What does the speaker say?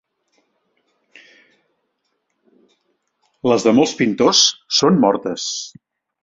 Les de molts pintors són mortes.